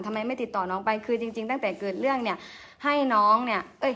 ทำไมไม่ติดต่อน้องไปคือจริงตั้งแต่เกิดเรื่องเนี่ย